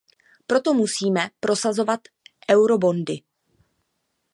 Proto musíme prosazovat eurobondy.